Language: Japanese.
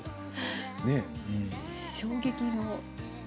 衝撃の。